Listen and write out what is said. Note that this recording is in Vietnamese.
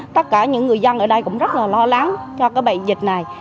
tất cả những người dân ở đây cũng rất là lo lắng cho cái bệnh dịch này